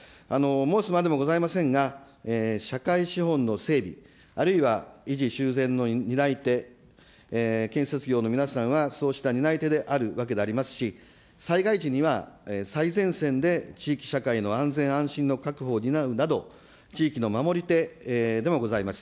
申すまでもございませんが、社会資本の整備、あるいは維持・修繕の担い手、建設業の皆さんはそうした担い手であるわけでありますし、災害時には、最前線で地域社会の安全安心の確保を担うなど、地域の守り手でもございます。